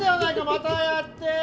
またやって。